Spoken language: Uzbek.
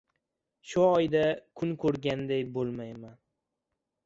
Shu oyda kun ko‘rganday bo‘lmayman!